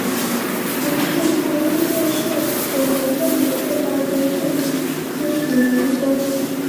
军事参议院是国民政府最高军事咨询机关。